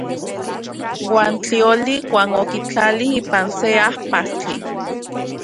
Uan tlioli uan okitlali ipan se ajpastli.